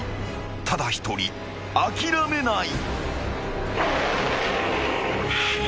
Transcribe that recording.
［ただ一人諦めない］